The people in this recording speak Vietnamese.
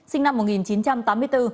sinh năm một nghìn chín trăm tám mươi bốn